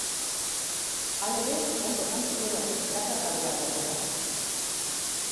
Halere, ondo jantzi gero, erakargarriagoak dira.